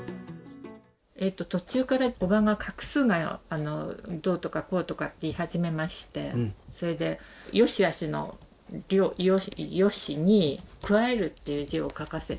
途中から叔母が画数がどうとかこうとか言い始めましてそれでよしあしの「良」に加えるっていう字を書かせて。